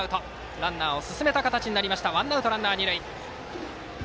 ランナーを進めた形になってワンアウトランナー、二塁。